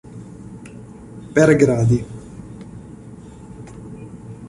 Per gradi.